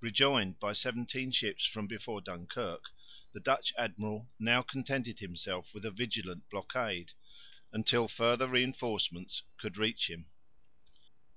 Rejoined by seventeen ships from before Dunkirk, the Dutch admiral now contented himself with a vigilant blockade, until further reinforcements could reach him.